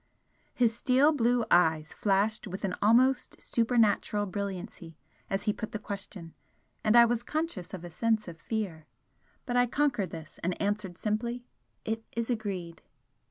His steel blue eyes flashed with an almost supernatural brilliancy as he put the question, and I was conscious of a sense of fear. But I conquered this and answered simply: "It is agreed!"